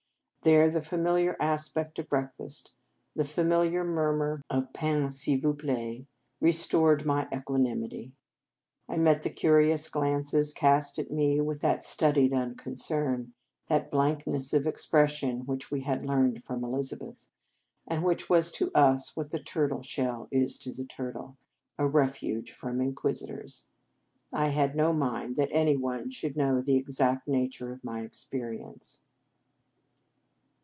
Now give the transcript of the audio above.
There the familiar aspect of breakfast, the familiar murmur of 255 In Our Convent Days " Pain, s il vous plait," restored my equanimity. I met the curious glances cast at me with that studied uncon cern, that blankness of expression which we had learned from Elizabeth, and which was to us what the turtle shell is to the turtle, a refuge from inquisitors. I had no mind that any one should know the exact nature of my experience.